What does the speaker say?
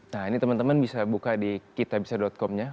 nah ini teman teman bisa buka di kitabisa com nya